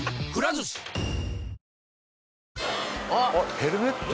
ヘルメット？